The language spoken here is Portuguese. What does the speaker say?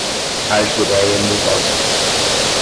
argyreia nervosa